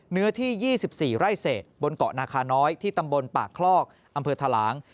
เนื้อที่๒๔ไร่เศษบนเกาะนาคาน้อยที่ตำบลปากคลอกอำเภอทะลาง